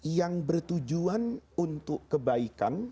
yang bertujuan untuk kebaikan